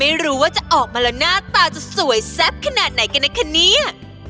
ไม่รู้ว่าจะออกมาแล้วหน้าตาจะสวยแซ่บขนาดไหนกันนะคะเนี่ย